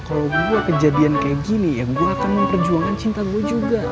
kalau gue kejadian kayak gini ya gue akan memperjuangkan cinta gue juga